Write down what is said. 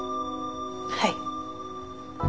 はい。